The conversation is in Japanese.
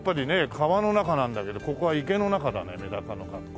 川の中なんだけどここは池の中だねメダカの学校。